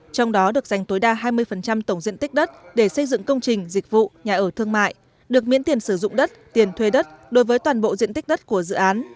trong đó được dành tối đa hai mươi tổng diện tích đất để xây dựng công trình dịch vụ nhà ở thương mại được miễn tiền sử dụng đất tiền thuê đất đối với toàn bộ diện tích đất của dự án